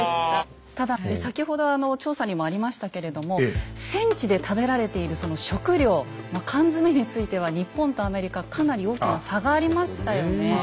ただ先ほどあの調査にもありましたけれども戦地で食べられているその食糧まあ缶詰については日本とアメリカかなり大きな差がありましたよね。